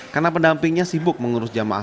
karena pendampingnya sibuk mengurus jemaah